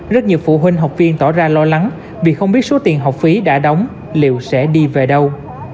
rất nhiều phụ huynh học viên tỏ ra lo lắng vì không biết số tiền học phí đã đóng liệu sẽ đi về đâu